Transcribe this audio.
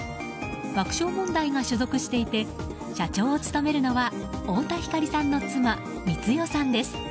爆笑問題が所属していて社長を務めるのは太田光さんの妻、光代さんです。